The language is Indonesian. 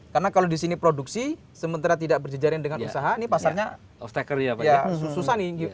karena kalau di sini produksi sementara tidak berjejaring dengan usaha ini pasarnya susah nih